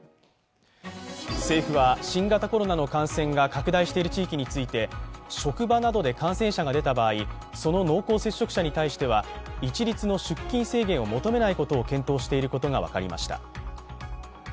政府は新型コロナの感染が拡大している地域について職場などで感染者が出た場合、その濃厚接触者に対しては一律の出勤制限を求めないことを検討していることが分かりました。